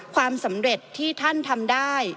ความสำเร็จที่ท่านทำได้